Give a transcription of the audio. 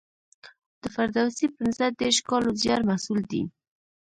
د فردوسي پنځه دېرش کالو زیار محصول دی.